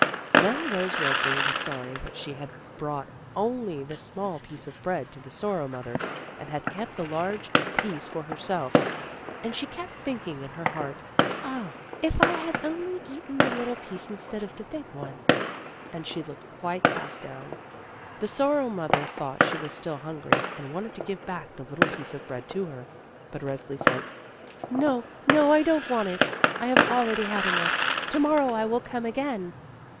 Then Rose Resli was sorry that she had brought only the small piece of bread to the Sorrow mother, and had kept the large piece A LITTLE HELPER 27 for herself, and she kept thinking in her heart: "Oh, if I had only eaten the little piece in stead of the big one," and she looked quite cast down. The Sorrow mother thought she was still hungry, and wanted to give back the little piece of bread to her. But Resli said: "No, no, I don't want it. I have already had enough; to morrow I will come again!"